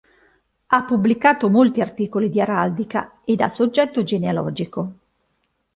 Ha pubblicato molti articoli di araldica ed a soggetto genealogico.